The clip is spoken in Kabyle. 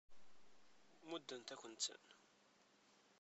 Muddent-akent-ten.